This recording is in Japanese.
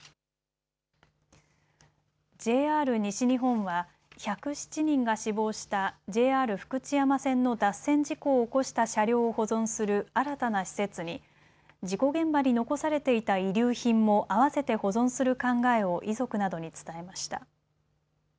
ＪＲ西日本は１０７人が死亡したＪＲ福知山線の脱線事故を起こした車両を保存する新たな施設に事故現場で残されていた遺留品もあわせて保存する考えを遺族などに伝えました。